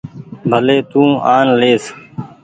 ڀلي تو آن ليس۔